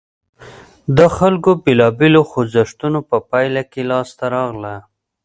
د خلکو بېلابېلو خوځښتونو په پایله کې لاسته راغله.